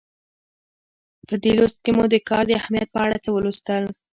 په دې لوست کې مو د کار د اهمیت په اړه څه ولوستل.